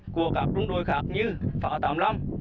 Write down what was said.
của các trung đội khác như phá tám mươi năm